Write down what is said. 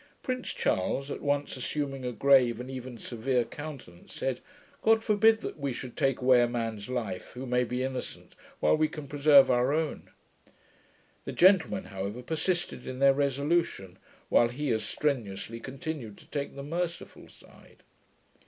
Prince Charles, at once assuming a grave and even severe countenance, said, 'God forbid that we should take away a man's life, who may be innocent, while we can preserve our own.' The gentlemen however persisted in their resolution, while he as strenuously continued to take the merciful side.